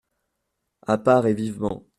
A part et vivement.